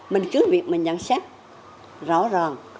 mình cứ việc mình nhận xét rõ ràng